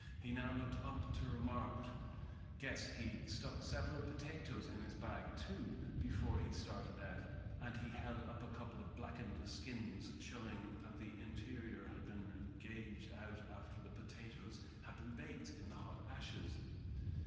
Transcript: He now looked up to remark: "Guess he stuck several potatoes in his bag, too, before he started out," and he held up a couple of blackened skins, showing that the interior had been gauged out after the potatoes had been baked in the hot ashes.